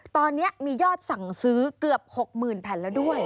ตอนนี้มียอดสั่งซื้อเกือบ๖๐๐๐แผ่นแล้วด้วย